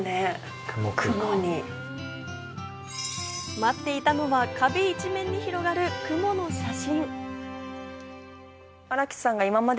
待っていたのは壁一面に広がる雲の写真。